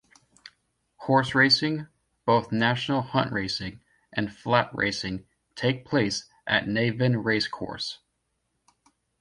Horse Racing, both National Hunt racing and Flat racing, take place at Navan Racecourse.